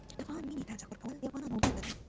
د افغان وینې ته ارزښت ورکول د افغانانو دنده ده.